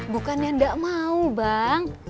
bukan yang gak mau bang